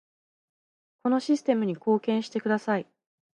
このシステムに貢献してください